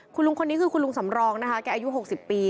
คุณลุงคนนี้คือคุณลุงสำรองนะคะแกอายุ๖๐ปี